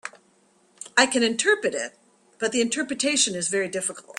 I can interpret it, but the interpretation is very difficult.